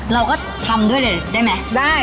เราก็ทำด้วยเลยได้ไหมได้